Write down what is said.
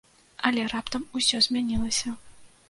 Але раптам ўсё змянілася.